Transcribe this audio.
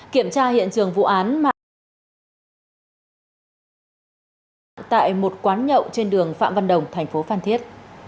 kiểm tra hiện trường vụ án mạng tại một quán nhậu trên đường phạm văn đồng thành phố phan thiết